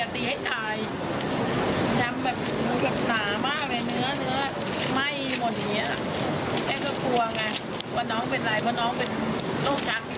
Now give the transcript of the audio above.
มันเป็นอยู่แล้วกลัวอยู่